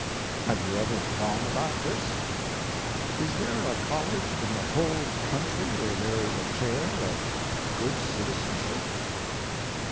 Have you ever thought about this? Is there a college in the whole country where there is a chair of good citizenship?